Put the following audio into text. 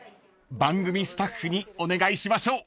［番組スタッフにお願いしましょう］